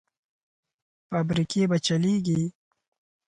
فابریکې به چلېږي؟